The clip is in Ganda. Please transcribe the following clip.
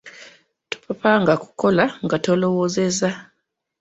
Topapanga kukola nga tolowoozezza.